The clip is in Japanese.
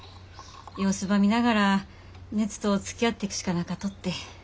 様子ば見ながら熱とつきあっていくしかなかとって。